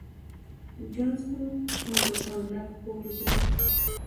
John's Wood junto con Rak Publishing.